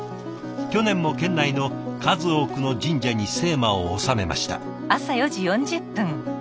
去年も県内の数多くの神社に精麻を納めました。